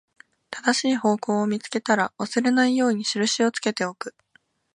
正しい方向を見つけたら、忘れないように印をつけておく